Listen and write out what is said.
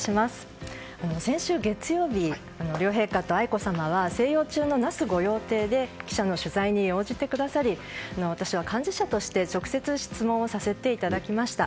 先週月曜日両陛下と愛子さまは静養中の那須御用邸で記者の取材に応じてくださり私は幹事社として直接質問をさせていただきました。